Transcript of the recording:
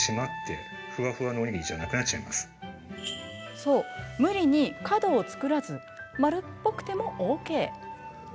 そう、無理に角を作らず丸っぽくてもＯＫ。